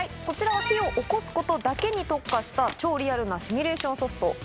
こちらは火をおこすことだけに特化した超リアルなシミュレーションソフト